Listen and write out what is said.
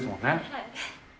はい。